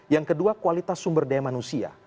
yang kedua kualitas sumber daya manusia